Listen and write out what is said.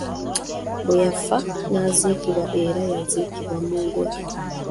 Bwe yafa n’eziikibwa era yaziikibwa mu ngoye!